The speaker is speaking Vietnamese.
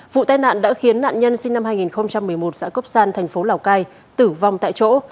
vụ tai nạn đã khiến nạn nhân sinh năm hai nghìn một mươi một xã cốc san thành phố lào cai tử vong tại chỗ